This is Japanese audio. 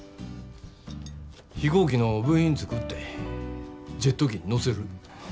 飛行機の部品作ってジェット機に載せる。